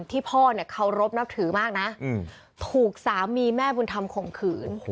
พ่อเนี่ยเคารพนับถือมากนะถูกสามีแม่บุญธรรมข่มขืน